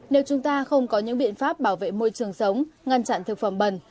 nếu chúng ta không có những biện pháp bảo vệ môi trường sống ngăn chặn thực phẩm bẩn